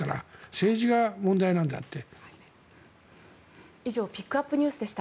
政治が問題なのであって。